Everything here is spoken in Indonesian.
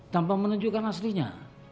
tanpa menunjukkan aslinya